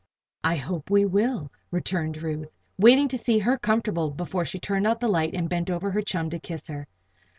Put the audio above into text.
"I hope we will," returned Ruth, waiting to see her comfortable before she turned out the light and bent over her chum to kiss her.